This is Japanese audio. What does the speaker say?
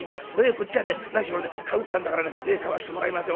こっちは何しろね買うってんだからね買わしてもらいますよ